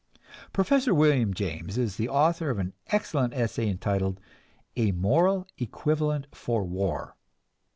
Professor William James is the author of an excellent essay entitled "A Moral Equivalent for War."